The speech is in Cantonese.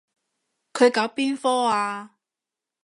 佢搞邊科啊？